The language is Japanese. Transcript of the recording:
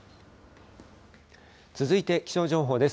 続いて気象情報です。